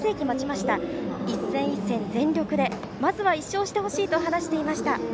１戦１戦全力でまずは１勝してほしいと話していました。